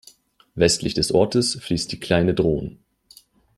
Westlich des Ortes fließt die Kleine Dhron.